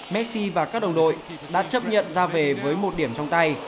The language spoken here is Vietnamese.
messi và các đồng đội đã chấp nhận ra về với một điểm trong tay